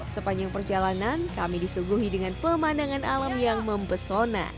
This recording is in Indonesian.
sepanjang perjalanan kami disuguhi dengan pemandangan alam yang mempesona